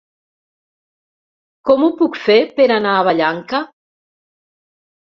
Com ho puc fer per anar a Vallanca?